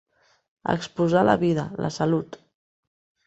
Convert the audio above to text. Exposar la vida, la salut.